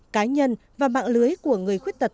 cá nhân và mạng lưới của người khuyết tật